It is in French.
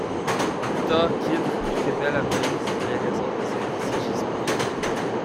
Plus tard, Khidr révèle à Moïse les raisons de ses agissements.